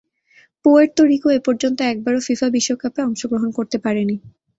Puerto Rico এপর্যন্ত একবারও FIFA বিশ্বকাপে অংশগ্রহণ করতে পারেনি।